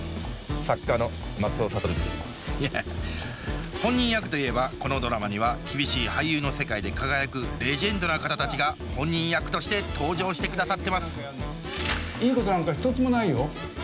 いや本人役といえばこのドラマには厳しい俳優の世界で輝くレジェンドな方たちが本人役として登場してくださってますいいことなんか一つもないよ。